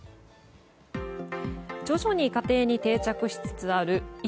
徐々に家庭に定着しつつある１